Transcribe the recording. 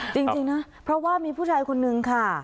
จริงนะเพราะว่ามีผู้ชายคนนึงค่ะ